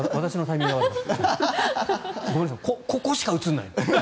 ここしか映らない。